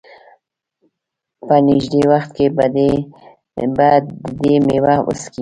په نېږدې وخت کې به د دې مېوه وڅکي.